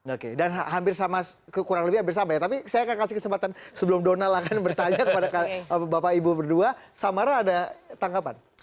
oke dan hampir sama kurang lebih hampir sama ya tapi saya akan kasih kesempatan sebelum donald akan bertanya kepada bapak ibu berdua samara ada tanggapan